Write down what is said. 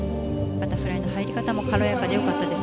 バタフライの入り方も軽やかで良かったです。